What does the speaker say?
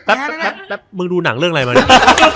แป๊บมึงดูหนังเรื่องอะไรมาเนี่ย